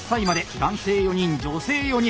男性４人女性４人。